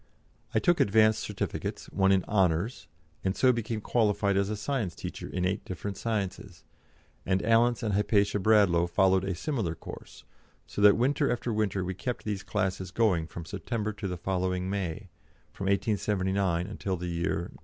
I took advanced certificates, one in honours, and so became qualified as a science teacher in eight different sciences, and Alice and Hypatia Bradlaugh followed a similar course, so that winter after winter we kept these classes going from September to the following May, from 1879 until the year 1888.